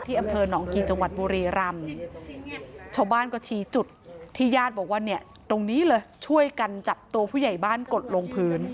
อำเภอหนองกี่จังหวัดบุรีรำชาวบ้านก็ชี้จุดที่ญาติบอกว่าเนี่ยตรงนี้เลยช่วยกันจับตัวผู้ใหญ่บ้านกดลงพื้น